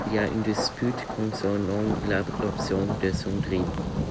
Il y a une dispute concernant l'adoption de Sandrine.